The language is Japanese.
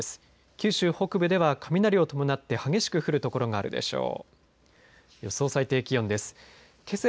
九州北部では雷を伴って激しく降る所があるでしょう。